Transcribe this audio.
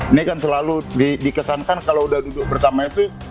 ini kan selalu dikesankan kalau udah duduk bersama epic